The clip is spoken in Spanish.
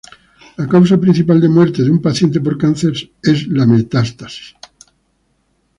La causa principal de muerte de un paciente por cáncer son las metástasis.